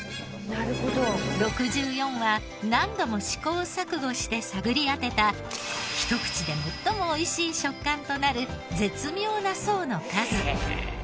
６４は何度も試行錯誤して探り当てたひと口で最も美味しい食感となる絶妙な層の数。